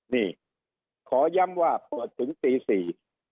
นี่ขอย้ำว่าเปิดถึงตีสี่